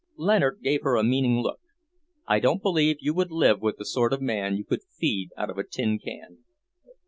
Leonard gave her a meaning look. "I don't believe you would live with the sort of man you could feed out of a tin can."